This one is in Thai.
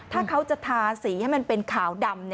ถ้าเขาจะทาสีให้มันเป็นขาวดำ